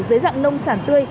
dưới dạng nông sản tươi